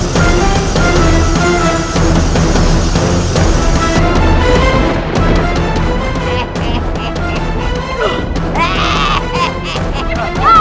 kamu ialah nasibnya